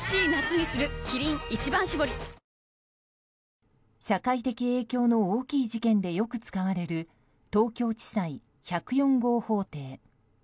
あ社会的影響の大きい事件でよく使われる東京地裁１０４号法廷。